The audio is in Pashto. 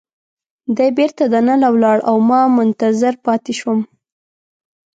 دی بیرته دننه ولاړ او ما منتظر پاتې شوم.